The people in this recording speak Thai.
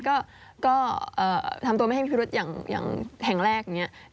ก็ทำตัวไม่ให้มีพิรุธอย่างแห่งแรก